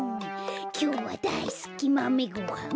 きょうはだいすきまめごはん！